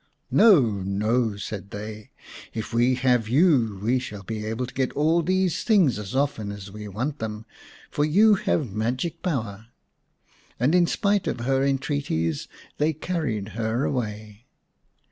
" No, no," said they, " if we have you we shall be able to get all these things as often as we want them, for you have magic power." And in spite of her entreaties they carried her away.